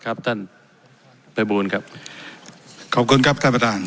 ครับท่านภัยบูลครับขอบคุณครับท่านประธาน